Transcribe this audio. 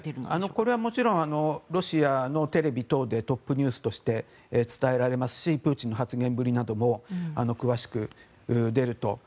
これはもちろんロシアのテレビ等でトップニュースとして伝えられますしプーチンの発言ぶりなども詳しく出ていると。